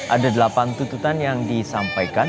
ada delapan tuntutan yang disampaikan